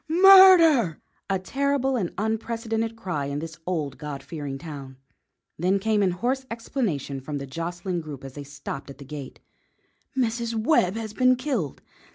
Murder!" A terrible and unprecedented cry in this old, God fearing town. Then came in hoarse explanation from the jostling group as they stopped at the gate: "Mrs. Webb has been killed!